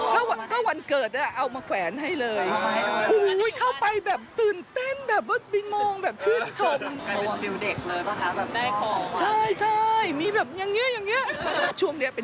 ก็วันเกิดเอามาแขวนให้เลย